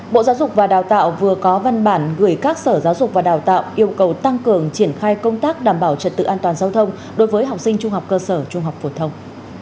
bộ giáo dục và đào tạo vừa có văn bản gửi các sở giáo dục và đào tạo yêu cầu tăng cường triển khai công tác đảm bảo trật tự an toàn giao thông đối với học sinh trung học cơ sở trung học phổ thông